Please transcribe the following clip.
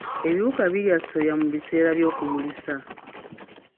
Ebiwuka birya soya mu biseera by'okumulisa.